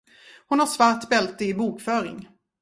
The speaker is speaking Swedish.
Hon har svart bälte i bokföring.